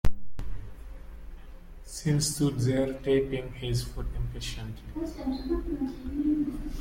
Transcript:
Sean stood there tapping his foot impatiently.